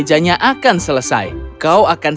ya ternyata orang memuai kemerdekaan mu